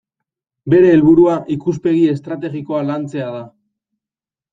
Bere helburua ikuspegi estrategikoa lantzea da.